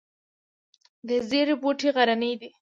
د زیرې بوټی غرنی دی